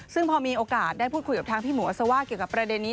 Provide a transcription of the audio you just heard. ซึ่งพอมีโอกาสได้พูดคุยกับทางพี่หมูอัศว่าเกี่ยวกับประเด็นนี้